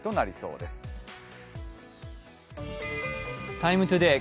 「ＴＩＭＥ，ＴＯＤＡＹ」